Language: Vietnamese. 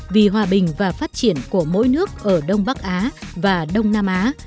vì hòa bình và phát triển của mỗi nước ở đông bắc á và đông nam á